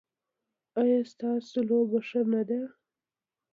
ایا ستاسو لوبه ښه نه ده؟